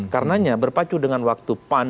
karenanya berpacu dengan waktu pan